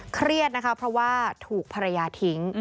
เครียดนะคะเพราะว่าถูกภรรยาทิ้ง